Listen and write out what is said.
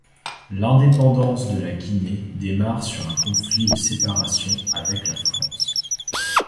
L'indépendance de la Guinée démarre sur un conflit de séparation avec la France.